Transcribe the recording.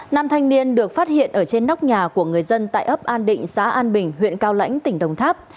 nam thanh niên được phát hiện ở trên nóc nhà của người dân tại ấp an định xã an bình huyện cao lãnh tỉnh đồng tháp